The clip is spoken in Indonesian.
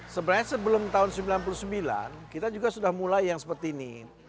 sebenarnya sebelum tahun sembilan puluh sembilan kita juga sudah mulai yang seperti ini